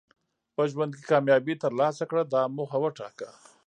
په ژوند کې کامیابي ترلاسه کړه دا موخه وټاکه.